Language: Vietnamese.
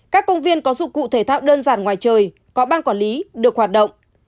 các công viên có dụng cụ thể thao đơn giản ngoài trời có ban quản lý được hoạt động